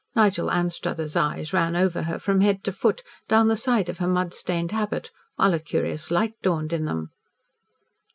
Nigel Anstruthers' eyes ran over her from head to foot, down the side of her mud stained habit, while a curious light dawned in them.